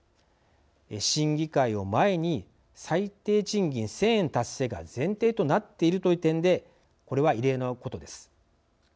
審議会を前に最低賃金１０００円達成が前提となっているという点でこれは異例のことです。